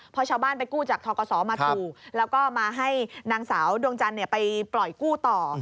พอชาวบ้านไปกู้จากทกศมาถูกแล้วก็มาให้นางสาวดวงจันทร์ไปปล่อยกู้ต่อ